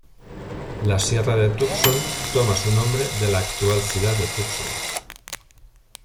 La sierra de Tucson toma su nombre de la actual ciudad de Tucson.